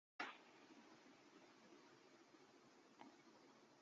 তিনি পঞ্চম শ্রেণীতে বৃত্তি লাভ করেন।